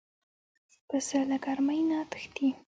پسه له ګرمۍ نه تښتي.